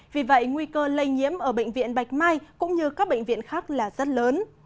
vì vậy nguy cơ lây nhiễm ở bệnh viện bạch mai cũng như các bệnh viện khác là rất lớn